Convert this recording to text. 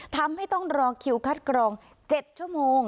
ทำให้ต้องรอคิวคัดกรอง๗ชั่วโมง